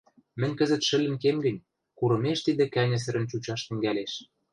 мӹнь кӹзӹт шӹлӹн кем гӹнь, курымеш тидӹ кӓньӹсӹрӹн чучаш тӹнгӓлеш.